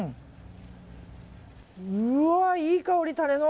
うわ、いい香りタレの。